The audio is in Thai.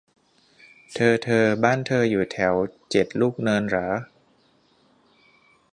เธอเธอบ้านเธออยู่แถวเจ็ดลูกเนินเหรอ